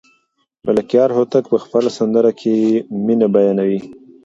ملکیار هوتک په خپله سندره کې مینه بیانوي.